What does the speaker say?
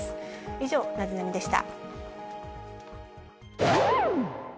以上、ナゼナニっ？でした。